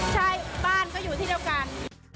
ใช่บ้านก็อยู่ที่เดียวกัน